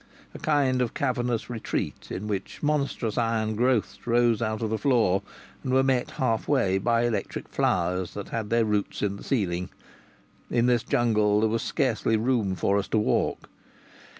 A kind of cavernous retreat in which monstrous iron growths rose out of the floor and were met half way by electric flowers that had their roots in the ceiling! In this jungle there was scarcely room for us to walk.